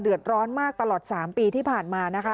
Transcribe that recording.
เดือดร้อนมากตลอด๓ปีที่ผ่านมานะคะ